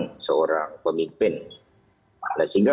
mas hasto bisa mengambil perhatian dari pdi perjuangan